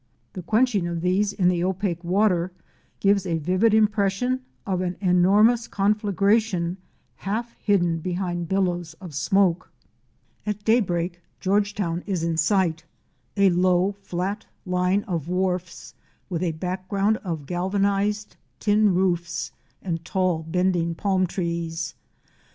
The quenching of these in the opaque water gives a vivid impression of an enormous conflagration half hidden behind billows of smoke. IIr 112 OUR SEARCH FOR A WILDERNESS. At day break Georgetown is in sight — a low, flat line of wharfs, with a background of galvanized tin roofs and tall bending palm trees.